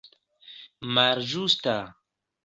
malĝusta